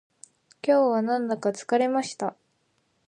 今日はなんだか疲れました